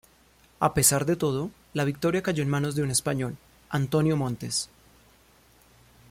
A pesar de todo, la victoria cayó en manos de un español, Antonio Montes.